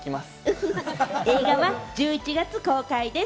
映画は１１月公開です。